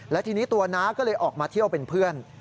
และทีนี้ตัวน้าก็เลยออกมาเที่ยวเป็นเพื่อน